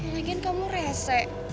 lagian kamu rese